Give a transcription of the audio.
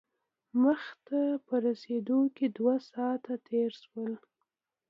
مکې ته په رسېدو کې دوه ساعته تېر شول.